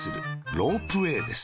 ロープウェーです。